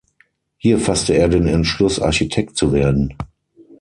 Hier fasste er den Entschluss, Architekt zu werden.